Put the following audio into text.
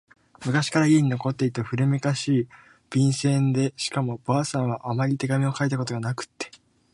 昔から家に残っていた古めかしい、便箋でしかも婆さんはあまり手紙を書いたことがなくって……